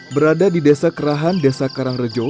berada di desa kerahan desa karangrejo